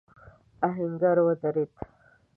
آهنګر ودرېد.